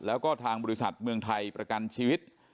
แล้วก็ทางบริษัทเมืองไทยประกันชีวิต